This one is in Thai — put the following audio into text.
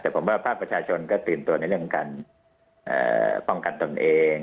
แต่ผมว่าภาคประชาชนก็ตื่นตัวในเรื่องการป้องกันตนเอง